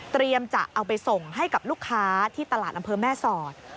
จะเอาไปส่งให้กับลูกค้าที่ตลาดอำเภอแม่สอด